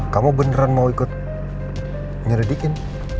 kamu beneran mau ikut nyeridikin